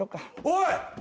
おい。